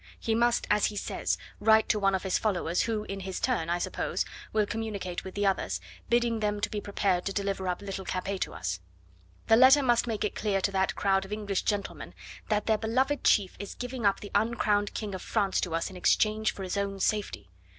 He must, as he says, write to one of his followers, who, in his turn, I suppose, will communicate with the others, bidding them to be prepared to deliver up little Capet to us; the letter must make it clear to that crowd of English gentlemen that their beloved chief is giving up the uncrowned King of France to us in exchange for his own safety.